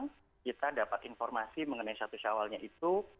kemudian kita dapat informasi mengenai satu syawalnya itu